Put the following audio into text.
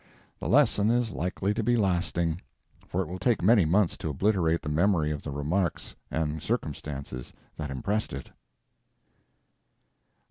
The lesson is likely to be lasting, for it will take many months to obliterate the memory of the remarks and circumstances that impressed it.